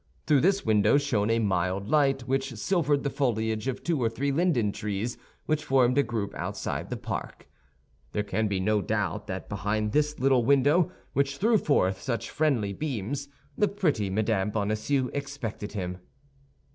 Through this window shone a mild light which silvered the foliage of two or three linden trees which formed a group outside the park. There could be no doubt that behind this little window, which threw forth such friendly beams, the pretty Mme. Bonacieux expected him.